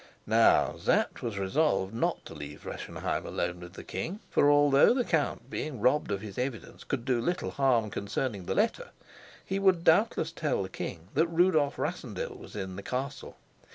Now Sapt was resolved not to leave Rischenheim alone with the king, for, although the count, being robbed of his evidence could do little harm concerning the letter, he would doubtless tell the king that Rudolf Rassendyll was in the castle.